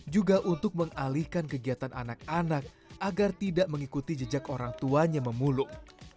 juga untuk mengalihkan kegiatan anak anak agar tidak mengikuti jejak orang tuanya memulung